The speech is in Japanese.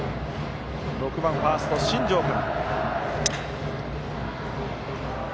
６番ファースト、新城から。